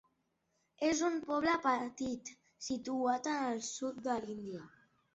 És un poble petit situat al sud de l'Índia.